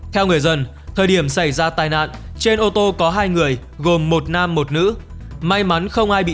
theo người dân thời điểm xảy ra tai nạn trên ô tô có hai người gồm một nam một nữ may mắn không ai bị